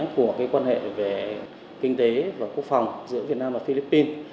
của quan hệ về kinh tế và quốc phòng giữa việt nam và philippines